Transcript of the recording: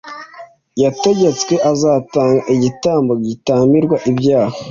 yategetswe Azatanga igitambo gitambirwa ibyaha